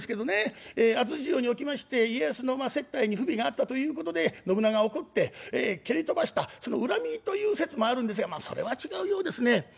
安土城におきまして家康の接待に不備があったということで信長は怒って蹴り飛ばしたその恨みという説もあるんですがまあそれは違うようですね。